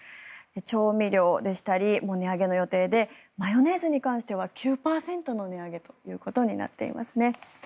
調味料でしたりも値上げの予定でマヨネーズに関しては９％の値上げとなっていますね。